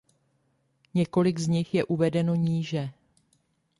Několik z nich je uvedeno níže.